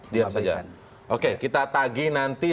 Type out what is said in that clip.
paparkan oke kita tagi nanti